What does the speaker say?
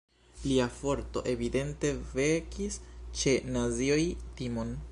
Lia forto evidente vekis ĉe nazioj timon.